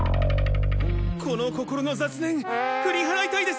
この心の雑念ふりはらいたいです！